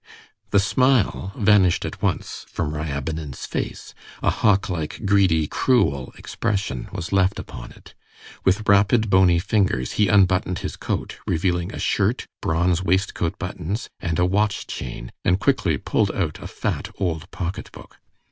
The smile vanished at once from Ryabinin's face. A hawklike, greedy, cruel expression was left upon it. With rapid, bony fingers he unbuttoned his coat, revealing a shirt, bronze waistcoat buttons, and a watch chain, and quickly pulled out a fat old pocketbook.